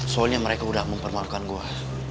soalnya mereka udah mempermalukan gua